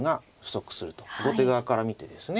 後手側から見てですね